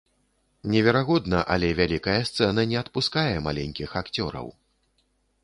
Неверагодна, але вялікая сцэна не адпускае маленькіх акцёраў.